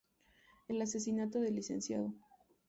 El asesinato del Lic.